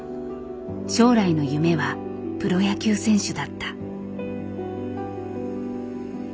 将来の夢はプロ野球選手だった。